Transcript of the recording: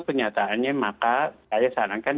penyataannya maka saya sarankan